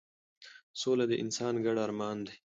سوله د انسان ګډ ارمان دی